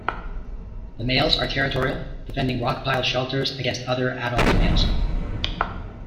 The males are territorial, defending rock pile shelters against other adult males.